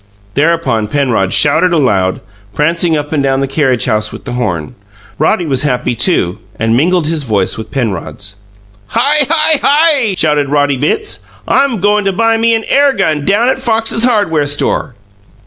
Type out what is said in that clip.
Thereupon Penrod shouted aloud, prancing up and down the carriage house with the horn. Roddy was happy, too, land mingled his voice with Penrod's. "Hi! Hi! Hi!" shouted Roddy Bitts. "I'm goin' to buy me an air gun down at Fox's hardware store!"